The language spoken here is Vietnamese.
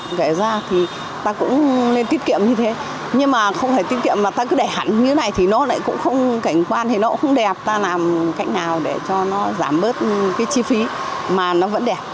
nếu mà tiết kiệm được bảy trăm linh tỷ thì ta cũng nên tiết kiệm như thế nhưng mà không thể tiết kiệm mà ta cứ để hẳn như thế này thì nó lại cũng không cảnh quan thì nó cũng không đẹp ta làm cách nào để cho nó giảm bớt cái chi phí mà nó vẫn đẹp